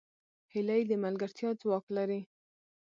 هیلۍ د ملګرتیا ځواک لري